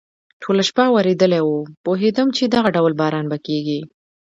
ټوله شپه ورېدلی و، پوهېدم چې دغه ډول باران به کېږي.